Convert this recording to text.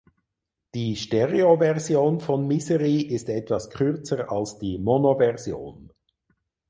Die Stereoversion von "Misery" ist etwas kürzer als die Monoversion.